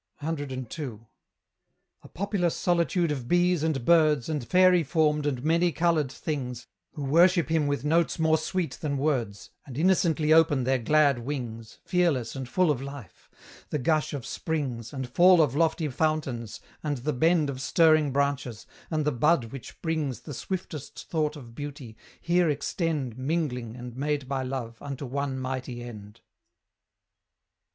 CII. A populous solitude of bees and birds, And fairy formed and many coloured things, Who worship him with notes more sweet than words, And innocently open their glad wings, Fearless and full of life: the gush of springs, And fall of lofty fountains, and the bend Of stirring branches, and the bud which brings The swiftest thought of beauty, here extend, Mingling, and made by Love, unto one mighty end.